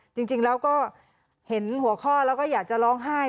จริงแล้วเห็นหัวข้ออยากจะร้องไห้